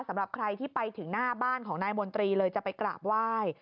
สำหรับใครที่ไปถึงหน้าบ้านของนายมนตรีเลยจะไปกราบไหว้